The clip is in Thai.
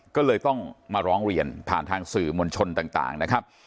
ก็เลยต้องมาร้องเรียนผ่านทางสื่อมวลชนต่างนะครับ